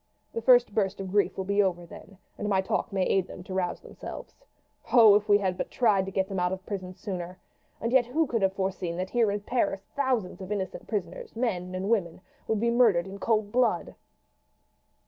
The first burst of grief will be over then, and my talk may aid them to rouse themselves. Oh, if we had but tried to get them out of prison sooner. And yet who could have foreseen that here in Paris thousands of innocent prisoners, men and women, would be murdered in cold blood!"